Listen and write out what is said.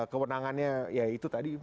kewenangannya ya itu tadi